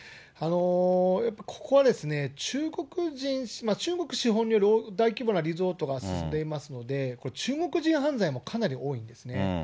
やっぱりここはですね、中国人、中国資本による大規模なリゾート化が進んでいますので、これ、中国人犯罪もかなり多いんですね。